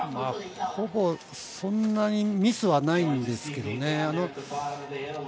そんなにミスはないんですけれども。